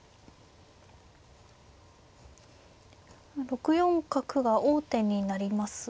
６四角が王手になりますが。